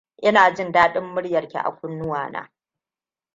Ina jin dadin muryarki a kunnuwa na.